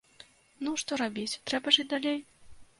Ну, што рабіць, трэба жыць далей.